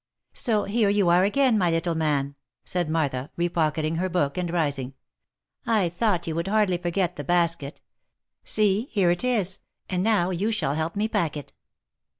" So, here you are again, my little man," said Martha, repocket ing her book, and rising ;" I thought you would hardly forget the basket : see, here it is, and now you shall help me pack it."